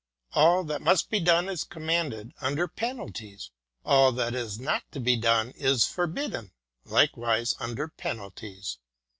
All that must be done is commanded, under penalties ; all that is not to be done is forbidden, likewise under penalties.